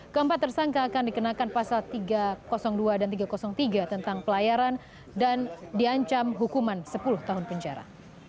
keempat tersangka akan dikenakan pasal tiga ratus dua dan tiga ratus tiga tentang pelayaran dan diancam hukuman sepuluh tahun penjara